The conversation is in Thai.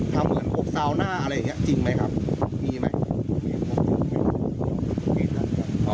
เหมือนคบซาวหน้าอะไรอย่างนี้จริงไหมครับมีไหม